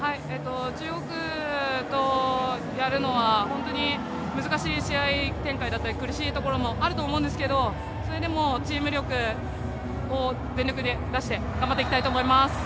中国とやるのは本当に難しい試合展開だったり苦しいところもあると思うんですけれども、それでもチーム力を全力で出して頑張っていきたいと思います。